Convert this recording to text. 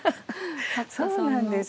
そうなんですよ。